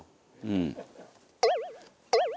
うん。